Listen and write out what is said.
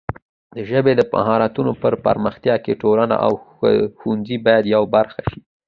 د ژبې د مهارتونو پر پراختیا کې ټولنه او ښوونځي باید یوه برخه شي.